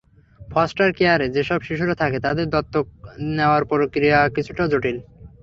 Foster কেয়ারে যেসব শিশুরা থাকে, তাঁদের দত্তক নেওয়ার প্রক্রিয়া কিছুটা জটিল।